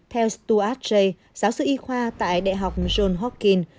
theo stuart jay giáo sư y khoa tại đại học john hopkins